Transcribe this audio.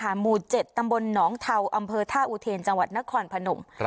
อย่างหมู่๗ตำบลหนองเทาอำเภอท่าอุเทญจนครพนม